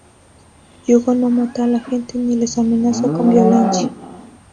Yugo no mata a la gente ni les amenaza con violencia.